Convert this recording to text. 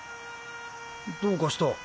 どうかした？